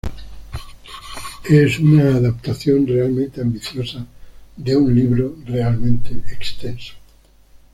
Es una adaptación realmente ambiciosa de un libro realmente extenso".